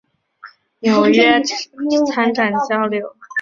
纽约参展交流